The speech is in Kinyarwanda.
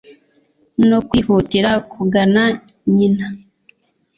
no kwihutira kugana nyina